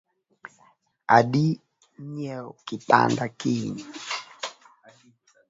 Adii nyieo kitanda kiny